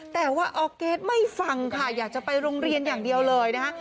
แต่ว่าออร์เกสไม่ฟังค่ะอยากจะไปโรงเรียนอย่างเดียวเลยนะคะ